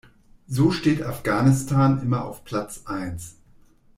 So steht Afghanistan immer auf Platz eins.